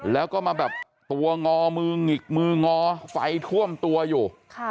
แล้วก็มาแบบตัวงอมือหงิกมืองอไฟท่วมตัวอยู่